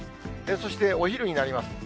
そして、お昼になります。